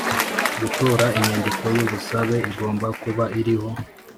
gutora Inyandiko y ubusabe igomba kuba iriho